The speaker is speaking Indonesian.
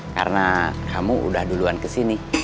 karena kamu udah duluan kesini